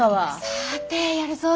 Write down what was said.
さてやるぞ。